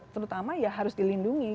terutama ya harus dilindungi